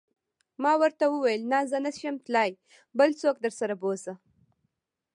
ما ورته وویل: نه، زه نه شم تلای، بل څوک درسره و بوزه.